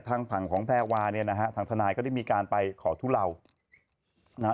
ทางฝั่งของแพรวาเนี่ยนะฮะทางทนายก็ได้มีการไปขอทุเลานะฮะ